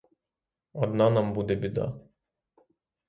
Одна нам буде біда.